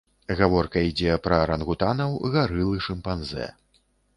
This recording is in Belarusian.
Гаворка ідзе пра арангутанаў, гарыл і шымпанзэ.